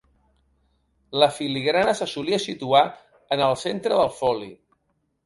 La filigrana se solia situar en el centre del foli.